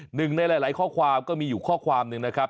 หนึ่งในหลายข้อความก็มีอยู่ข้อความหนึ่งนะครับ